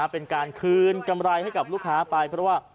เป็นการคืนกำไรให้กับลูกค้าไปเพราะว่า